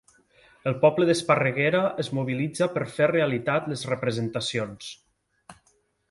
El poble d'Esparreguera es mobilitza per fer realitat les representacions.